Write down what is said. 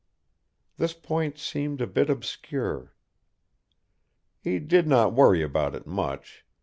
This point seemed a bit obscure. He did not worry about it much.